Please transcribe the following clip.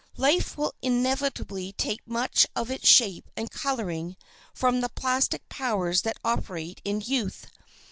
Life will inevitably take much of its shape and coloring from the plastic powers that operate in youth.